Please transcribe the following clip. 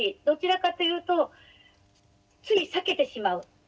どちらかというとつい避けてしまう。